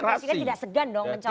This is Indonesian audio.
tapi presiden tidak segan dong mencapai